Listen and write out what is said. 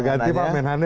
ganti pak menhan